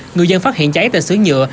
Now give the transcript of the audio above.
người dân phát hiện cháy tại sửa nhựa